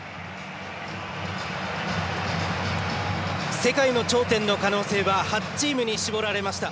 世界の頂点の可能性は８チームに絞られました。